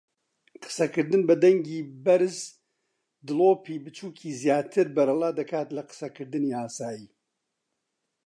قسەکردن بە دەنگی بەرز دڵۆپی بچووکی زیاتر بەرەڵادەکات لە قسەکردنی ئاسایی.